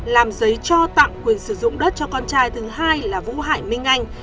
làm giấy cho tặng quyền sử dụng đất cho con trai thứ hai là vũ hải minh anh